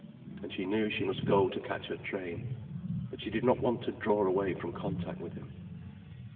And she knew she must go to catch her train. But she did not want to draw away from contact with him.